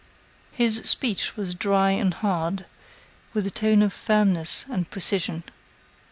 His speech was dry and hard, with a tone of firmness and precision.